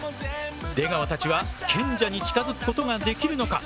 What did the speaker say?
出川たちは賢者に近づくことができるのか。